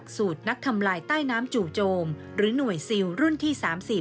สูตรนักทำลายใต้น้ำจู่โจมหรือหน่วยซิลรุ่นที่๓๐